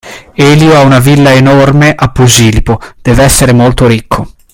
Elio ha una villa enorme a Posillipo, dev'essere molto ricco.